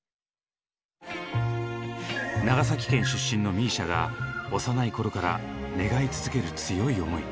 長崎県出身のＭＩＳＩＡが幼い頃から願い続ける強い思い。